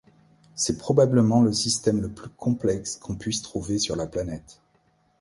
C'est probablement le système le plus complexe qu'on puisse trouver sur la planète.